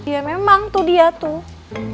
ya memang tuh dia tuh